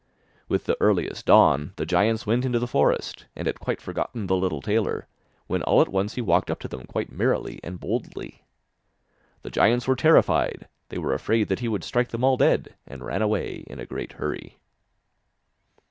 With the earliest dawn the giants went into the forest, and had quite forgotten the little tailor, when all at once he walked up to them quite merrily and boldly. The giants were terrified, they were afraid that he would strike them all dead, and ran away in a great hurry.